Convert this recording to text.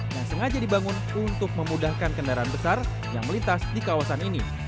yang sengaja dibangun untuk memudahkan kendaraan besar yang melintas di kawasan ini